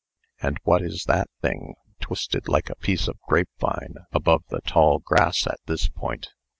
"And what is that thing, twisted like a piece of grapevine above the tall grass at this point?"